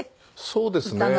そうですね。